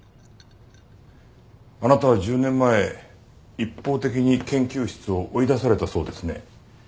あなたは１０年前一方的に研究室を追い出されたそうですね。